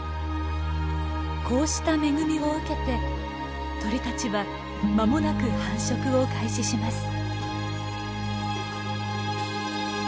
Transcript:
こうした恵みを受けて鳥たちは間もなく繁殖を開始します。